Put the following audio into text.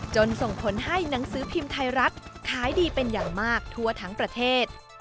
ส่งผลให้หนังสือพิมพ์ไทยรัฐขายดีเป็นอย่างมากทั่วทั้งประเทศ